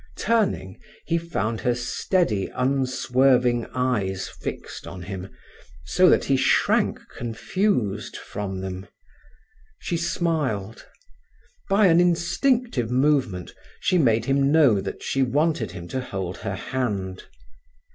Turning, he found her steady, unswerving eyes fixed on him, so that he shrank confused from them. She smiled: by an instinctive movement she made him know that she wanted him to hold her hand.